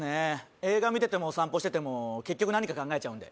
「映画見てても散歩してても結局何か考えちゃうんで」